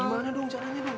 terus gimana dong caranya bu